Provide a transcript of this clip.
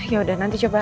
yaudah nanti coba